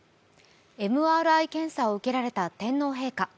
ＭＲＩ検査を受けられた天皇陛下。